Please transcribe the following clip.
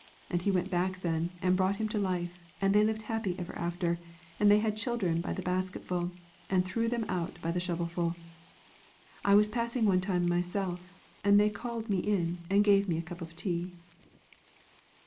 And he went back then and brought him to life, and they lived happy ever after, and they had children by the basketful, and threw them out by the shovelful. I was passing one time myself, and they called me in and gave me a cup of tea.